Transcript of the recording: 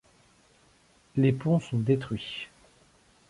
Les ponts sont détruits.